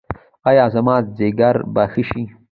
ایا زما ځیګر به ښه شي؟